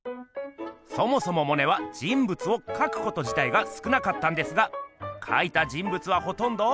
そもそもモネは人物をかくことじたいがすくなかったんですがかいた人物はほとんど。